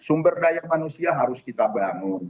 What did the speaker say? sumber daya manusia harus kita bangun